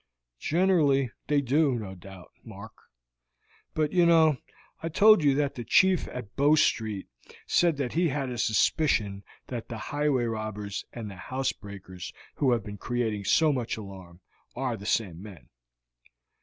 "Generally they do, no doubt, Mark; but you know I told you that the chief at Bow Street said that he had a suspicion that the highway robbers and the house breakers who have been creating so much alarm are the same men."